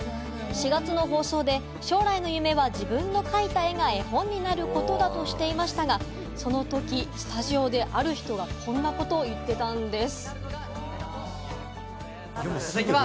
４月の放送で、将来の夢は自分の描いた絵が絵本になることだとしていましたが、その時、スタジオである人がこんなことを言ってたんです。